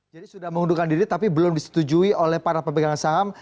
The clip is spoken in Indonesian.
jadi sudah mengundurkan diri tapi belum disetujui oleh para pemegang saham